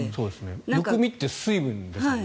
むくみって水分ですよね。